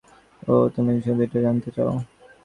ওহ, তুমি সত্যিটা জানতে চাও?